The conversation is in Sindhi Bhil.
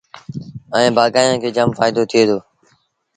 ائيٚݩ بآگآيآݩ کي جآم ڦآئيدو ٿئي دو۔